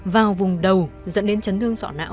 vào vùng đầu dẫn đến chấn thương sọ não